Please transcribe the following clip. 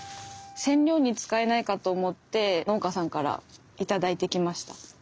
染料に使えないかと思って農家さんから頂いてきました。